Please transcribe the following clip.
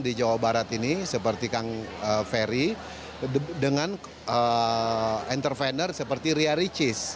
di jawa barat ini seperti kang ferry dengan entrepreneur seperti ria ricis